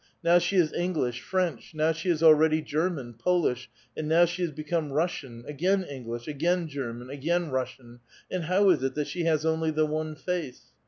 Now she is English, French, now she is already German, Polish, and now she has become Russian, again English, again German, again Russian ; and how is it that she has only the one face?